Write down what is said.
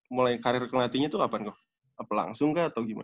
mulai karir kelatihnya tuh apa langsung kah atau gimana